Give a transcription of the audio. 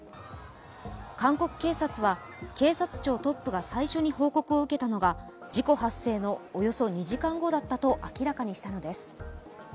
韓国警察は警察庁トップが最初の報告を受けたのが事故発生のおよそ２時間後だったと明らかにしたのです。